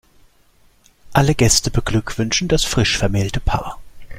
Alle Gäste beglückwünschen das frisch vermählte Paar.